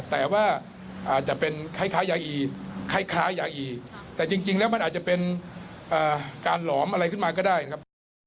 แต่ว่าอาจจะเป็นคล้ายยาอีคล้ายยาอีแต่จริงแล้วมันอาจจะเป็นการหลอมอะไรขึ้นมาก็ได้นะครับ